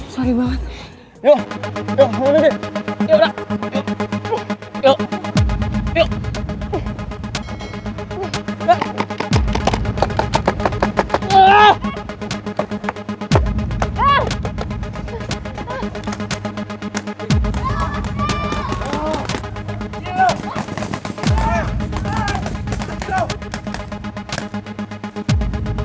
sorry banget yuk yuk yuk yuk yuk